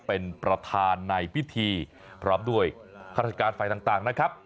เป็นประธานในพิธีพร้อมด้วยข้าราชการฝ่ายต่างนะครับ